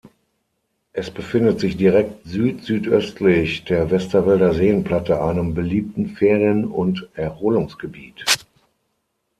Es befindet sich direkt südsüdöstlich der Westerwälder Seenplatte, einem beliebten Ferien- und Erholungsgebiet.